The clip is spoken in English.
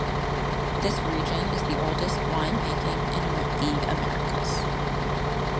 This region is the oldest wine-making in the Americas.